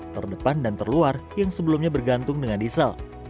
terdepan dan terluar yang sebelumnya bergantung dengan diesel